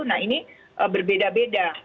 nah ini berbeda beda